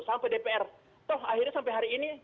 sampai dpr toh akhirnya sampai hari ini